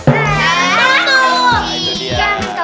tunggu tunggu tunggu